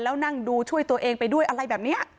แล้วนั่งดูช่วยตัวเองไปด้วยอะไรแบบนี้